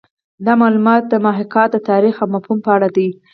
دا معلومات د محاکات د تاریخ او مفهوم په اړه دي